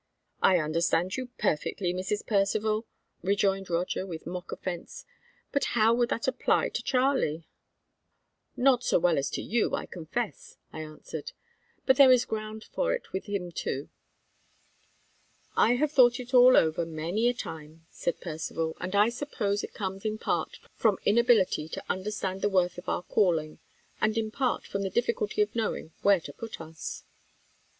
"I understand you perfectly, Mrs. Percivale," rejoined Roger with mock offence. "But how would that apply to Charlie?" "Not so well as to you, I confess," I answered. "But there is ground for it with him too." "I have thought it all over many a time," said Percivale; "and I suppose it comes in part from inability to understand the worth of our calling, and in part from the difficulty of knowing where to put us."